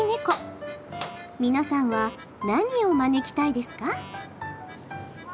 皆さんは何を招きたいですか？